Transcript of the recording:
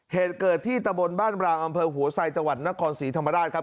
เหตุเกิดที่ตะบนบ้านรางอำเภอหัวไซจังหวัดนครศรีธรรมราชครับ